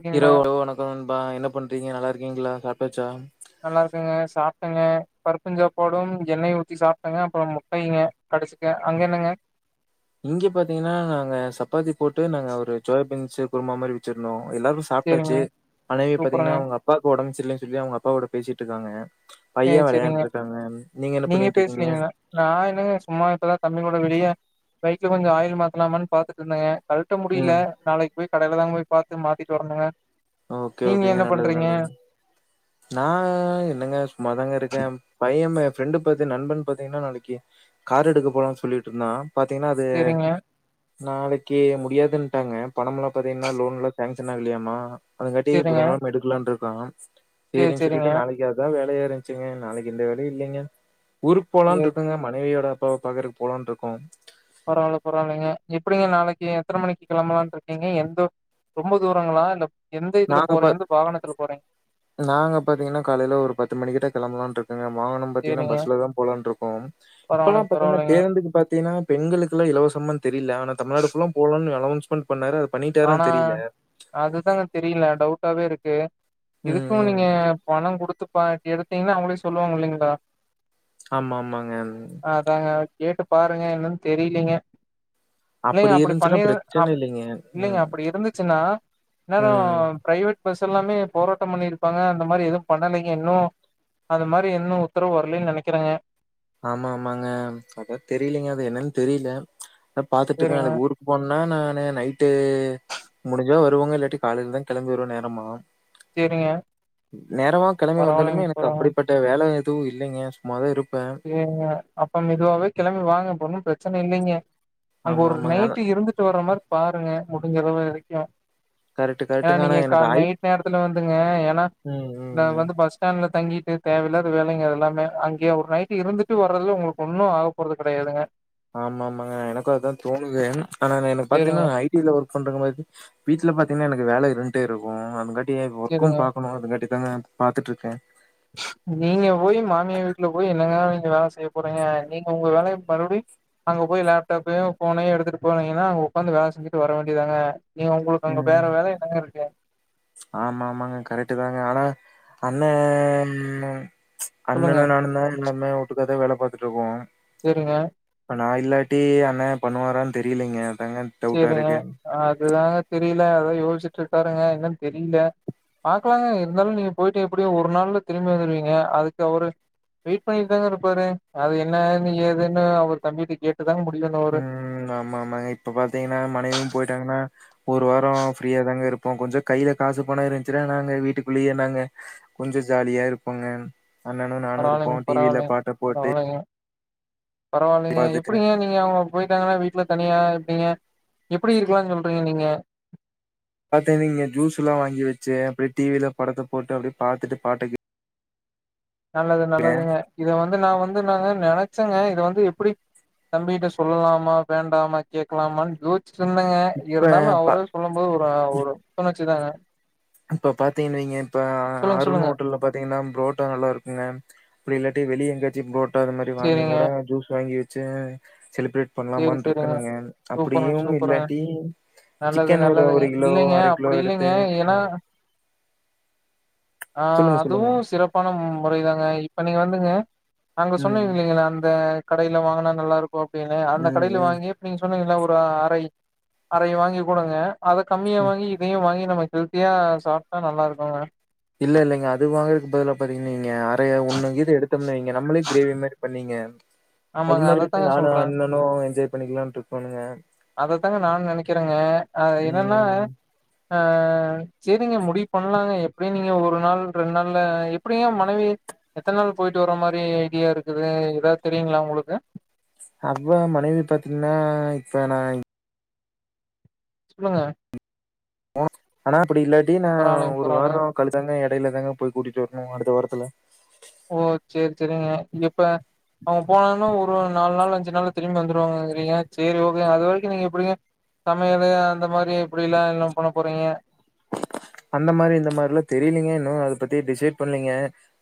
இருக்கீங்களா? இரவு [unintelligible] வணக்கம் நண்பா என்ன பண்றீங்க நல்லா இரு இருக்கீங்களா சாப்டாச்சா நல்லா இருக்கேங்க சாப்பிட்டேங்க பருப்புஞ்சாப்பாடும் எண்ணெய் ஊத்தி சாப்பிட்டேங்க அப்புறம் முட்டைங்க கடிச்சிக்க அங்க என்னங்க இங்க பாத்தீங்கன்னா நாங்க சப்பாத்தி போட்டு நாங்க ஒரு சோயாபீன் சே குர்மா மாரி வச்சிருந்தோ எல்லாருக்கும் சரிங்க. சாப்பிட்டாச்சு ஆனைவி சூப்பருங்க. பாத்தீங்கன்னா உங்க அப்பாக்கு ஒடம்பு சரின்னு சொல்லி அவங்க அப்பாவோட பேசிட்டு இருக்காங்க செரி பைய சரிங்க வெளையாண்ட்டு இருக்காங்க என்ன நீங்க பண்ணிட்டு இருக்கீங்க பேசலீங்கன்னா நான் என்னங்க சும்மா இத்தல்லாம் தம்பிகூட வெளியே பைக்ல கொஞ்சம் ஆயில் மாத்தலாமான்னு பாத்துட்டு இருந்தேங்க கழட்ட முடியல ம் நாளைக்கு போய் கடையில தாங்க போய் பாத்து மாத்திட்டு வர்ந்தேங்க ஓகே ஓகேங்க நல்லது நல்லது நா என்ங்க சும்மா தாங்க இருக்கே பையன் ஃப்ரெண்டு பார்த்தீங் நண்பன் பாத்தீங்கன்னா நாளைக்கு கார் எடுக்க போலாம்னு சொல்லிட்டு இருந்தா பாத்தீங்கன்னா அது சரிங்க, நாளைக்கு முடியாதுன்னட்டாங்க பணம் எல்லாம் பாத்தீங்கன்னா லோன் எல்லாம் சாங்ஷன ஆக இல்லையாமா அதுங்காட்டி சரிங்க. புதன் கிழம எடுக்கலா இருக் கா சரி, சரின்னு சரிங்க. சொல்லிட்டு நாளைக்கு அதா வேலையா இருச்சுங்க நாளைக்கு ஏந்த வேலையும் இல்லைங்க ஊருக்கு போலா சரி. இருக்கங்க மனைவியோட அப்ப பாக்குறதுக்கு போலாம்னு இருக்கோ பரவால்ல பரவால்லைங்க எப்படிங்க நாளைக்கு எத்தன மணிக்கு கிளம்பலாம் இருக்கீங்க எந்த ரொம்ப தூரங்களா இல்ல எந்த இதுல நாங்க போற பா எந்த வாகனத்துல போறீங்க? நாங்க பாத்தீங்கன்னா காலைல ஒரு பத்து மணிகிட்ட கிளம்பலான் இருக்கோ வாகனம் பாத்தீங்கன்னா சரிங்க. பஸ்லதா போலான் இருக்கோம் இப்பல்லாம் பரவாயில்லைங்க பாத்தீங்கன்னா பரவாயில்லைங்க. பேருந்துக்கு பாத்தீங்கன்னா பெண்களுக்கு இலவசமா தெரியல ஆனா தமிழ்நாடு ஃபுல்லா போலாம்னு அனோ மன்ட் பண்ணாரு ஆனா பண்ணிட்டாரான்னு தெரியல. அதுதாங்க தெரில டவுட்டாவே இருக்கு ம், எதுக்கு ம். நீங்க பணங் குடு த்து பா எடுத்திங்னா அவங்களே சொல்லுவாங்க இல்லைங்களா ஆமாமாங்க அதாங்க கேட்டு பாருங்க என்னன் தெரிலிங்க அப்பிடி இருந்துச்சுனா பிரச்சன இல்லைங்க இல்லைங்க ம், அப்பிடி இருந்துச்சுனா இன்னேர ம். பிரைவேட் பஸ் எல்லாமே போராட்டம் பண்ணிருப்பாங்க அந்த மாரி எதும் பண்ணலைங்க இன்னு அந்த மாரி இன்னு உத்தரவு வர்லின் நெனைக்கறங்க ஆமா ஆமாங்க அதா தெரிலிங்க அது என்னன் தெரில அதா பாத்துட்ருக்கே சரிங்க, நாளைக் ஊருக்கு போனனா நானு நைட்டு முடிஞ்ச வருவங்க இல்லாட்டி காலைலதா கெளம்பி வருவே நேரமா சரிங்க. நேரமா கெளம்பி பரவாயில்லைங்க வந்தாலுமே எனக்கு பரவாயில்லைங்க. அப்படிப்பட்ட வேல எதுவு இல்லைங்க சும்மாதா இருப்ப சேரிங்க அப்ப மெதுவாவே கெளம்பி வாங்க அப்ப ஒண்ணு பிரச்னை இல்லைங்க அங்க ஆமா ஒரு ஆமாங்க ஆனா நைட்டு இருந்துட்டு வர்ற மாரி பாருங்க முடிஞ்சளவு வரைக்கும் கரெக்ட் ஏன்னா கரெக்ட்டுங்க ஆனா நீங்க க எனக்கு ஐ நைட் நேரத்துல வந்துங்க ஏன்னா ம் ம் ம் வந்து பஸ் ஸ்டாண்ட்ல தங்கிட் டு தேவையில்லாத வேலைங்க அது எல்லாமே அங்கேயே ஒரு நைட் இருந்துட்டு வர்றதுல உங்களுக்கு ஒன்னும் ஆகப்போறது கெடையாதுங்க ஆமா ஆமாங்க எனக்கும் அதான் தோணுது ஆனா நா எனக்கு சேரிங்க பாத்தீங்கன்னா ஐ டில ஒர்க் பண்றவங்க மாதி வீட்ல பாத்திங்ன்னா எனக்கு வேல இருன்ட்டே இருக்கும் அதுங்காட் டி ஒர்க்கும் சேரிங்க பாக்கணும் அதுங்காட்டி அதாங்க பாத்துட்ருக்கேன் நீங்க போய் மாமியா வீட்ல போய் என்னங்க வேல செய்ய போறீங்க நீங்க உங்க வேலய மறுபடி அங்க போய் லேப்டாப்பையும் ஃபோனையும் எடுத்துட்டு போனீங்கன்னா அங்க உக்காந்து வேல செஞ்சுட்டு வர வேண்டிதாங்க நீங்க உங்களுக்கு அங்க ம் வேற வேல என்னங்க இருக்கு ஆமா ஆமாங்க கரெக்ட் தாங்க ஆனா அண்ணே ச் சொல்லுங்க அண்ணனு நானுந்தா எல்லாமே வூட்டுக்காத வேல பாத்துட்டு இருக்கோம் செரிங்க நான் இல்லாட்டி அண்ணே பண்ணுவாரான்னு தெரிலேங்க செரிங்க அதுதாங்க தெரில அதான் யோசிச்சு ட்ருக்காருங்க என்னனு தெரில பாக்கலாங்க இருந்தாலும் நீங்க போய்ட்டு எப்டியும் ஒரு நாள்ல திரும்பி வந்துருவீங்க அதுக்கு அவரு வெயிட் பண்ணிட் தாங்க இருப்பாரு அது என்னாது ஏதுன்னு அவர் தம்பிட்ட கேட் உம் ஆமா ஆமாங்க இப்ப பாத் தீங்கன்னா மனைவியும் போய்ட்டாங்கன்னா ஒரு வாரோ ஃப்ரீயா தாங்க இருப் போம் கொஞ்ச கைல காசு பணம் இருந்துச்சுன்னா நாங்க வீட்டுக்குள்ளேயே நாங்க கொஞ்சம் ஜாலியா இருப்போங்க அண்ணனும் நானும் பரவாயில்லைங்க இருப்போம் டி வில பரவாயில்லைங்க பாட்ட போட்டு பரவாயில்லைங்க பரவாயில்லைங்க பாத்துட்டு எப்டிங்க நீங்க அவுங்க போய் க்காங்கனா வீட்ல தனியா எப்டிங்க எப்டி இருக்கலானு சொல்றீங்க நீங்க பாத்தேனா நீங்க ஜூஸல்லாம் வாங்கி வச்சு அப்டியே டி வில படத்த போட்டு அப்படியே பாத்துட்டு பாட்டுக்கு நல்லது நல்லதுங்க இத வந்து நான் வந் து நாங்க நெனைச்சாங்க இத வந்து எப்டி தம்பிட்ட சொல்லலாமா வேண்டாமா கேக்கலாமானு யோ ச்சுற்றுந்தேங்க இப்ப இருந்தாலும் ப அவரே சொல்லும் போது ஒரு ஒரு [unintelligible] வச்சுதாங்க இப்ப பாத்தீங்கன் வைங்க இப்ப சொல்லுங்க அருநூட்டுல பாத்தீங்கன்னா புரோட்டா நல்லாருக் குங்க அப்டி இல்லாட்டி வெளிய எங்காச்சும் புரோ டடா அது மாரி வாங்கியு சரிங்க கூட ஜூஸ் வாங்கி சே செலிப்ரேட் சரி பண்ணலாமான்னு சரிங்க இருக்கணுங்க சூப்பருங்க அப்படியும் சூப்பருங்க இல்லாட்டி நல்லது சிக்கன் ஒரு நல்லதுங்க ஒரு கிலோ இல்லைங்க அரை கிலோ அப்படி எடுத்து இல்லைங்க ஏன்னா ஆ சொல்லுங்க சொல்லுங்க அதுவு சிறப்பான மு முறைதாங்க இப்ப நீங்க வந்துங்க அங்க ம் சொன்னிங்க இல்லைங்களா அந்த கடையில வாங்குனா நல்லாருக்கு அப்டின் அந்த ம் கடையில ம் வாங்கி இப்ப நீங்க சொன்னிங்ள ஒரு அரை அரை வாங்கி குடுங்க அத கம்மியா ம் வாங்கி இதையு வாங்கி நம்ம ஹெல்த்தியா சாப்ட்டா நல்லாருக்குங்க இல்ல இல்லைங்க அது வாங்கறதுக்கு பதிலா பாத்திங்ன ங்க அரை ஒன்னுங்கீது எடுத்தம்னு வெய்ங்க நம்மளே கிரேவி மாரி பண்ணிங்க அது ஆமாங்க மாரி வெச்சு அதத்தாங்க நானு சொல்றே அண்ணனு என்ஜாய் பண்ணிக்கலான்ட்டு இருக்கோனுங்க அத தாங்க நானு நெனைக்கறங்க அ என்னன்னா ம் அ ஆ செரிங்க முடிவு பண்லாங்க எப்படியு நீங்க ஒரு நாள் ரெண்டு நாள்ல எப்டிங்க மனைவி எத்தனை நாள் போயிட்டு வர மாரி ஐடியா இருக்குது எதாது தெரியுங்ளா உங்களுக்கு அவ்வ மனைவி பாத்திங்னா இப்ப நா சொல்லுங்க ஓச் அனா அப்டி இல்லாட்டி நா பரவாயில்லைங்க ஒரு பரவாயில்லைங்க வார கழிச்தாங்க எ டையில தாங்க போய் கூட்டிட்டு வர்ணு அடுத்த வாரத்துல ஓ சேரி சேரிங்க இப்ப ள்ல திரும்பி வந்துருவாங்கங்றிங்க சேரி ஓகேங் அது வரைக்கு நீங்க எப்டிங்க சமையலு அந்த மாரி எப்படில்லா எல்லா பண்ண போறிங்க அந்த மாரி இந்த மாரிலா தெரிலிங்க இன்னு அத பத்தியே டிசைட் பண்லிங்க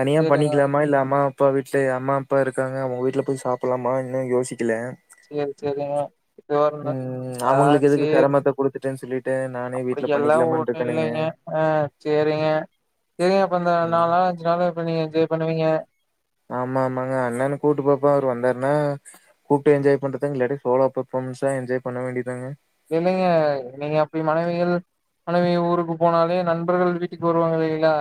தனியா சேரிங்க பண்ணிக்கலாமா இல்ல அம்மா அப்பா வீட்டு அம்மா அப்பா இருக்காங்க அவங்க வீட்ல போய் சாப்படலாமா இன்னு யோசிக்கல சேர் செரிங்க இதுவா இருந்தா ம் ஆ அவங்களுக்கு எதுக்கு சேர் செரமத்த குடுத்துட்டுன்னு சொல்லிட்டு நானே வீட்ல அப்படியெல்லாம் பண்ணிக்கலாமான்னு ஒண்ணு இருக்கேனுங்க இல்லிங்க ஆ செரிங்க செரிங்க அப்ப இந்த நாலு ம் நாளு அஞ்சு நாளு இப்ப நீங்க என்ஜாய் பண்ணுவிங்க ஆமா ஆமாங்க அண்ணன கூப்ட்டு பாப்ப அவரு வந்தாருனா கூப்ட்டு என்ஜாய் பண்றதுங் இல்லாட்டி சோலா பர்ஃபாமென்ஸா என்ஜாய் பண்ண வேண்டியதாங்க இல்லைங்க நீங்க அப்டி மனைவிகள் மனைவி ஊருக்கு போனாலே நண்பர்கள் வீட்டுக்கு வருவாங்க இல்லைங்ளா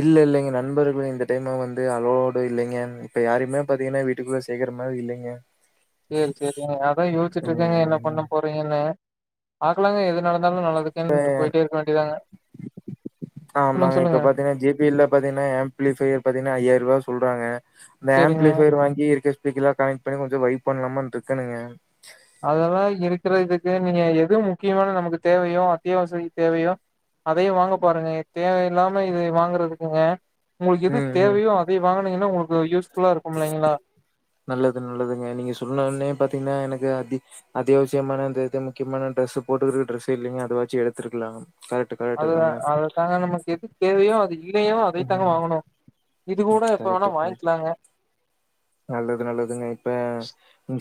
இல்ல இல்லைங்க நண்பர்கள் இந்த டைம வந் து அளோடு இல்லைங்க இப்ப யாரையுமே பாத்திங்கனா வீட்டுக்குள்ள சேக்கற மாரி இல்லைங்க சேரி சேரிங்க அதா யோசிச்சுட்டு இருக்கங்க என்ன பண்ண ம் போறிங்கன்னு பாக்லாங்க எது ந ஏ சொல்லுங்க ஆமாங்க இப்ப சொல்லுங்க பாத்திங்கனா ஜே பி ல்ல பாத்திங்கனா ஆம்ப்ளிஃபையர் பாத்திங்கனா ஐயாயிருவா சொல்றாங்க அந்த சேரிங்க ஆம்ப்ளிஃபயர் வாங்கி இருக்க ஸ்பீக்கர்லா கனெக்ட் பண்ணி கொஞ்ச வைப் புக் பண்லாமான்ட்ருக்கனுங்க அதெல்லா இருக்கற இதுக்கு நீங்க எது முக்கியமான நமக்கு தேவையோ அத்தியாவசிய தேவையோ அதைய வாங்க பாருங்க தேவையில்லாம இதய வாங்கறதுக்குங்க உங்ளுக்கு எது ம் ம் தேவையோ அதைய வாங்க னிங்னா உங்களுக்கு யூஸ் நல்லது நல்லதுங்க நீங்க சொன்ன ஒன்னே பாத்திங்னா எனக்கு அ அத்தியாவசியமான இந்த இது முக்கியமான டிரெஸ்சு போட்டுக்கறக்கு டிரெஸ்சே இல்லைங்க அதுவாச்சு எடுத்துருக்கலாங் அதுதா அத தாங்க நமக்கு எது தேவையோ அ ம் கூட எப்ப கரெக்ட் வேணா கரெக்ட் வாங்கிக்கலாங்க நல்லது நல்லதுங்க இப்ப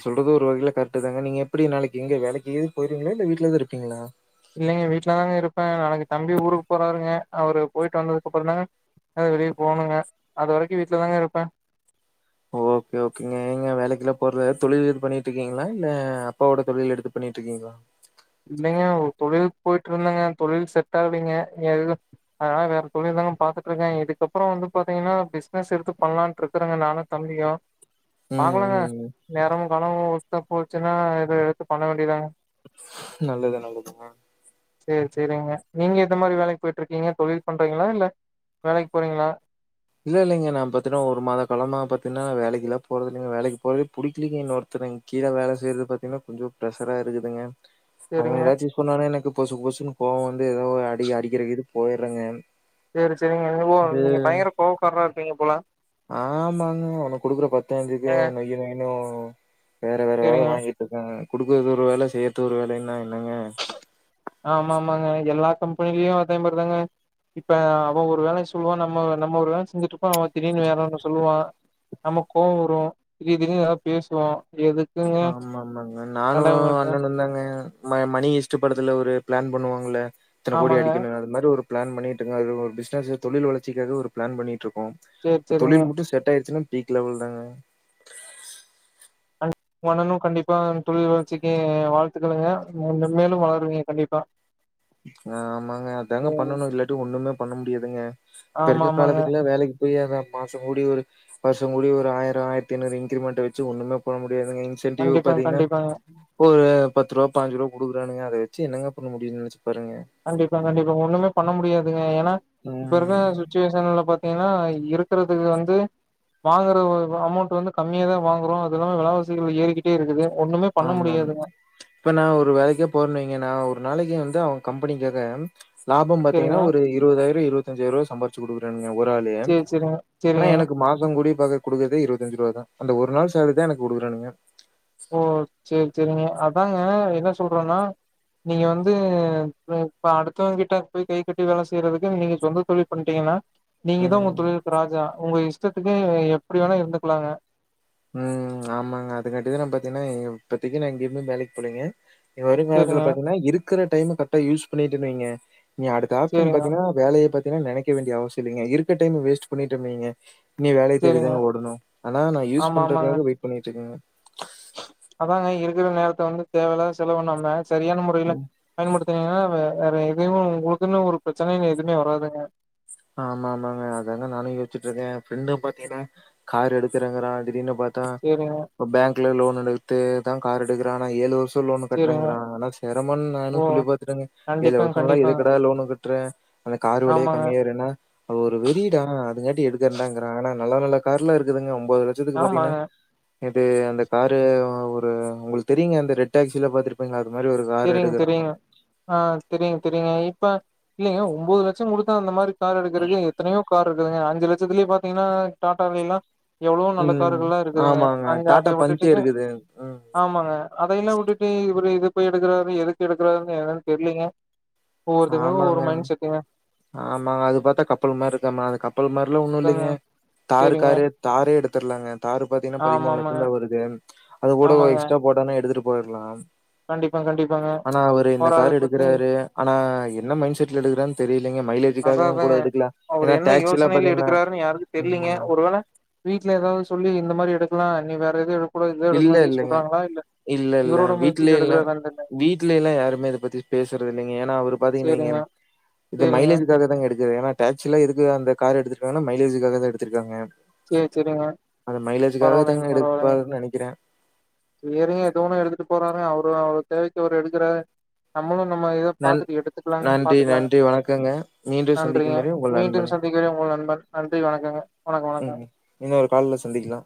சொல்றது ஒரு வகையில கரெக்டு தாங்க நீங்க எப்படி நாளைக்கு எங்க வேலைக்கு ஏது போறீங்ளா இல்ல வீட்லதா இருப்பிங்ளா இல்லைங்க வீட்லதாங்க இருப்ப நாளைக்கு தம்பி ஊருக்கு போறாருங்க அவரு போயிட்டு வந்ததுக்கப்றந்தாங்க எங்யாது வெளிய போகணுங்க அது வரைக்கு வீட்ல தாங்க இருப்ப ஓகே ஓகேங்க நீங்க வேலைக்கெல்லா போற தொழில் கீது பண்ணிட்ருக்கிங்ளா இல்ல அப்பாவோட தொழில் எடுத்து பண்ணிட்ருக்கிங்ளா இல்லைங்க தொழிலுக் போயிட்ருந்தங்க தொழில் செட் ஆகலிங்க ஏது அதனால வேற தொழில் தாங்க பாத்துட்டு இருக்கே இதுக்கப்புற வந்து பாத்திங்கனா பிசினஸ் எடுத்து பண்லான்ட்டு இருக்கறங்க நானு தம்பியு ம் பாக்கலாங்க ம் ம் நேரமு காலமு ஒத்து போச்சுன்னா இத எடுத்து பண்ண வேண்டியதாங்க நல்லது நல்லதுங்க சேரி சேரிங்க நீங்க எந்த மாரி வேலைக்கு போயிட்டு இருக்கீங்க தொழில் பண்றீங்களா? இல்ல வேலைக்கு போறீங்களா? இல்ல இல்லைங்க நா பாத்தீனா ஒரு மாத காலமா பாத்தீங்கனா வேலைக்குலா போறதில்லைங்க வேலைக்கி போவவே புடிக்கிலைங்க இன்னோருத்தவங்க கீழ வேல செய்றது பாத்தீங்கன்னா கொஞ்சோ ப்ரெஷரா இருக்குதுங்க அவ சேரிங்க ஏதாச்சு சொன்னான்னா எனக்கு பொசுபொசுக்குனு கோவ வந்து ஏதோ அடி அடிக்கிற இதுக்கு போயிடுறங்க சேரி சேரிங்க நீ ஓ நீங்க பயங்கர கோவ ஆமாங்க அவனுங்க குடுக்குற பத்து அஞ்சுக்கு ஏங்க நொய் நொய்னு ஓ ஓ சேரிங்க குடுக்கறது ஒரு வேல செய்றது ஒரு வேலன்னா ஆமாமாங்க எல்லா கம்பெனிலயு அதேமாரிதாங்க இப்ப அவ ஒரு வேல சொல்லுவா நம்ம நம்ம ஒரு வேல செஞ்சுட்டுருப்போ அவ திடீர்னு வேற ஒன்ன சொல்லுவா நம்ம கோவம் வரும் திடீர் திடீர்னு ஏதாது பேசுவோ எதுக்குங்க ஆமா ஆமாங்க நானு ஆண்டவங்கள்ட்ட அண்ணனுந்தாங்க ம மணி ஈஷ்ட் படத்துல ஒரு பிளான் பண்ணுவாங்கல்ல இத்தன கோடி ஆமாங்க அடிக்கணு அது மாரி ஒரு பிளான் பண்ணிட்ருக்கோ அது ஒரு பிசினஸ் தொழில் வளர்ச்சிகாக ஒரு பிளான் பண்ணிட்டுருக் சேரி இப்ப சேரிங்க தொழில் மட்டு செட் ஆயிருச்சுனா வீட்ல அவ்ளதாங்க பண்ணனு கண்டிப்பா தொழில் வளர்ச்சிக்கு வாழ்த்துக்களுங்க நீங்க மென்மேலு வளருவிங்க கண்டிப்பா ஆமாங்க அதாங்க ம், பண்ணணு இல்லாட்டி ஒண்ணுமே பண்ண முடியாது ங்க இப்ப ஆமா இருக்க ஆமாங்க காலத்துக்லா வேலைக் கு போயி அத மாச முடிவொரு வருஷ முடிவொரு ஆயிர ஆயிரத் ஐநூறு இன்கிரிமெண்ட்ட வெச்சு ஒண்ணுமே பண்ண ங்க இன்சென்டிவ் கண்டிப்பாங்க பாத்திங்கனா கண்டிப்பாங்க ஒரு பத்து ருவா பாஞ்சுருவா குடுக்கறானுக அதவெச்சு என்னங்க பண்ண முடியு வருங்க கண்டிப்பா கண்டிப்பாங்க ஒண்ணுமே பண்ண முடியாது ஏனா இப்ப இருக்க ம் சுச்சுவேஷன்ல பாத் திங்னா இருக்கறதுக்கு வந்து வாங்குற அமௌண்ட் வந்து கம்மியாதா வாங்கறோ அது இல்லாம வெலவாசிகள் ஏறிகிட்டே இருக்குது ஒண்ணுமே பண்ண ஆமாங் முடியாதுங்க இப்ப நா ஒரு வேலைக்கே போறன் வெய்ங்க நா ஒரு நாளைக் வந் து அவங்க கம்பெனிக்காக லாபம் பாத்திங்னா சேரிங்க ஒரு இருவதாயிர இரு வத்தாஞ்சாயிருவா சம்பாரிச்சு குடுக்கறங் ஒரு ஆளு சேரி சேரிங்க ஆனா சேரிங்க எனக்கு மாச கூடி குடுக்குறதே இருவத்தஞ்சு ருவா தா அந்த ஒரு நாள் சேல்ரிதா எனக்கு குடுக்குறானுக ஓ சேரி சேரிங்க அதாங்க என்ன சொல்றன்னா நீங்க வந்து இப்ப அடுத்தவங்க கிட்ட போய் கை கட்டி வேலை செய்றதுக்கு நீங்க சொந்த தொழில் பண்ட்டிங்கனா நீங்கதா ம். உங்க தொழிலுக்கு ராஜா உங்க இஷ்டத்துக்கு எப்படி வேணா இருந்துக்கலாங்க ம் ஆமாங்க அதுங்காட்டிதா நா பாத்தினா இப்பத்திக்கு நா எங்கயுமே வேலைக் போலிங்க இனி வருங்காலத்துல சேரிங்க பாத்திங்னா இரு க்கற டைம் கரெக்டா யூஸ் பண்ணிட்டன் வைங்க இனி அடுத்த ஆப்ஷன் சேரிங்க பாத்திங்னா வேலைய பத் திலா நெனைக்க வேண்டிய அவசிய இல்லைங்க இருக்க டைம் வேஸ்ட் பண்ணிட்டன் வைங்க நீ வேலய சேரிங்க தேடிதாங்க ஓடணு ஆனா நா யூஸ் ஆமா ஆமாங்க பண்றக்காக வெயிட் பண்ணிட்ருக்கங்க அதாங்க இருக்கற நேரத்த வந்து தேவ இல்லாம செலவு பண்ணாம சரியான முறையில பயன்படுத் துனீங்கனா வே வேற எதுவு உங்களுக்குன்னு ஒரு பிரச்சனைனு எதுமே வராதுங்க ஆமா ஆமாங்க அதாங்க நானு யோசிச்சிட்டு இருக்கே எ ஃப்ரெண்ட் பாத்தீங்கன்னா கார் எடுக்கிறங்றா திடீனு பாத் தா சேரிங்க இப்ப பேங்க்ல லோன் எடுத்து தா கார் எடுக்குறா ஆனா ஏழு வரு ஷோ லோன் சேரிங்க கட்டுறங்றா அதெல்லா செரமம்னு ஓ நானு சொல்லி பாத்துட்டங்க ஏழு கண்டிப்பாங்க வருசம்லா கண்டிப்பாங்க எதுக்குடா லோனு கட்ற அந்த கார் வெலையே ஆமாங்க கம் மியாயிருனா ஒரு வெறியீடா அது கேட் வண்டி எடுக்கறண்டாங்றா ஆனா நல்ல நல்ல கார்ல இருக்குதுங்க ஒ ஒம்போது லட்சத்துக்கு பாத்தீங்னா ஆமாங்க இது அந்த காரு ஒரு உங்களுக்கு தெரியங்க அந்த ரெட் டாக்சில பாத்துருப்பீங்க தெரியு தெரியுங்க ஆ தெரியு தெரியங்க இ ப்ப இல்லலைங்க ஒம்போது லட்சம் குடுத்தா அந்த மாரி கார் எடுக்கிறதுக்கு எத்தனையோ கார் இருக்குதுங்க அஞ்சு லட்சத்துலயே பாத்தீங்னா டாடாலைலா எவ்ளோவோ நல்ல ம் கார்கள்லா இருக்குதுங்க ஆமாங்க அங்க டாடா அத பஞ்சே வுட்டுட்டுங்க இருக்குது ம் ஆமாங்க அதையெல்லா வுட்டுட்டு இவரு இது போய் எடுக்குறாரு எதுக்கு எடுக்குறாருனு எனக்கு தெரிலீங்க ஆமாங்க ஆமாங்க அது பாத்தா கப்பல் மாருக்க அது கப்பல் மாரிலா ஒன்னு அதாங்க இல்லைங்க தாரு சரிங்க காரு தாரே எடுத் தர்லாங்க தாரு பாத்திங்னா ஆமா பதிமூணு ஆமாங்க லட்சந்தா வருது அது கூட ஒ ஆமாங்க எக்ஸ்ட்ரா போட்டன்னா எடுத்துட்டு போயர்லாம் கண்டிப்பா கண்டிப்பாங்க அவரு அத பத்தி ஆ என்ன மைண்ட் செட்ல எடுக்கறார்னு தெரி ஏங்க அதா மைலேஜுக்காகவு கூட அதாங்க எடுக்கலா அவரு ஏனா என்ன டேக்ஸி எல்லா யோசனையில பாத்திங்னா எடுக்கறாருன்னு யாருக்கு தெரியலீங்க ஒருவேள வீட்ல எதாவுது சொல்லி இந்த மாரி எடுக்கலா நீ வேற எதுவு எடுக் இல்ல இல்லங்க இல்ல இல்ல இவரோட வீட்ல முயற்சில எல்லா எடுக்கறாரான்னு தெர்ல வீட்ல எல்லா யாருமே இத பத்தி பேசறது இல்லைங்க ஏனா அவரு பாத்திங்கன் வைங்க சேரிங்க இது சேரிங்க மைலேஜுக்காகத்தாங்க எடுக்கு ஏனா டாக்ஸிலா இருக்குது அந்த கார் எடுத்துருக்காங்னா மைலேஜுக்காகதா எடுத்திருக்காங்க சேரி சேரிங்க அது மைலேஜுக்காக பரவாயில்லைங்க தாங்க பரவாயில்லைங்க எடுப்பார்னு நெனைக் ற சேரிங்க எதோன்னு எடுத்துட்டு போறாருங்க அவரு அவர் தேவைக்கு அவர் எடுக்கறா நம்மளு நம்ம இத நன் பாத்துட்டு எடுத்துக்கலாங்க நன்றி பாத்துக்கலாங்க நன்றி வணக்கங்க மீண்டும் சந்திக்கும் நன்றிங்க வரை உங்கள் நண்பன் மீண்டும் சந்திக்கிறேன் உங்கள் நண்பன் நன்றி வணக்கங்க வணக்க வணக்கங் ம் இன்னொரு கால்ல சந்திக்கலாம்